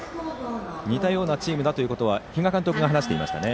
似たようなチームだというのは比嘉監督が話していましたね。